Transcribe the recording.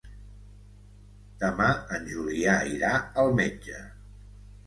Demà en Julià irà al metge.